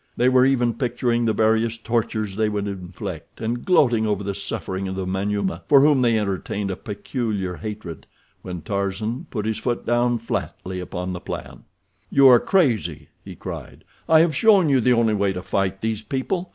They were even picturing the various tortures they would inflict, and gloating over the suffering of the Manyuema, for whom they entertained a peculiar hatred, when Tarzan put his foot down flatly upon the plan. "You are crazy!" he cried. "I have shown you the only way to fight these people.